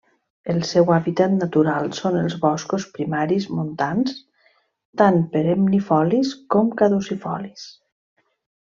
El seu hàbitat natural són els boscos primaris montans, tant perennifolis com caducifolis.